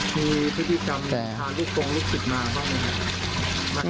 มีพฤติกรรมพระรูปโทรงพัฒน์ลูกผิดมาไหมต้องหัวอาหารเธอสัมมุติ